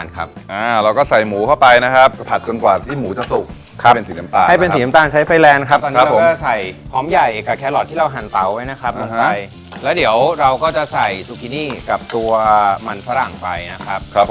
กระเทียมครับ